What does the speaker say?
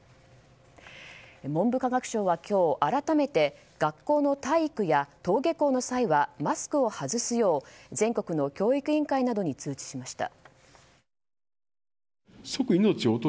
文部科学省は今日、改めて学校の体育や登下校の際はマスクを外すよう、全国の教育委員会などに通知しました。